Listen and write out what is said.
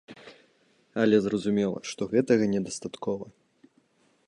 Але зразумела, што гэтага не дастаткова.